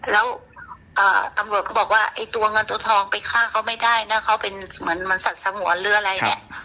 แล้วตำรวจก็บอกว่าไอ้ตัวเงินตัวทองไปฆ่าเขาไม่ได้นะเขาเป็นเหมือนสัตว์สงวนหรืออะไรเนี่ย